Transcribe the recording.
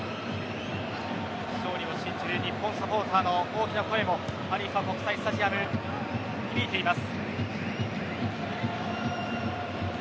勝利を信じる日本サポーターの大きな声もハリーファ国際スタジアムに響いています。